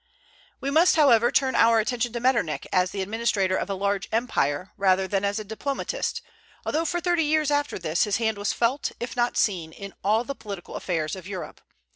We must, however, turn our attention to Metternich as the administrator of a large empire, rather than as a diplomatist, although for thirty years after this his hand was felt, if not seen, in all the political affairs of Europe.